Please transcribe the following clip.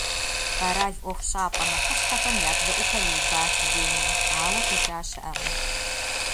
Къэрал ӏуэхущӏапӏэ нэхъыщхьэхэм я бжэӏупэр иубат Ленэ, ауэ къикӏа щыӏэкъым.